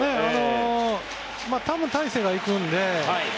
多分、大勢が行くので。